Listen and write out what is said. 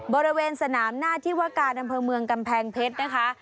บริเวณสนามหน้าที่วการอำเภอเมืองกำแพงเพชรนะคะ